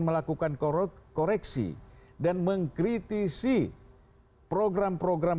melakukan korot koreksi dan mengkritisi program program